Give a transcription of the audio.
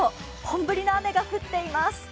本降りの雨が降っています。